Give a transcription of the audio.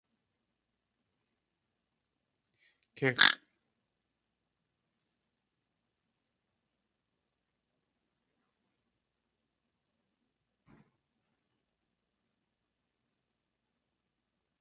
Kʼíx̲ʼ!